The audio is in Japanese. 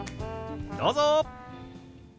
どうぞ！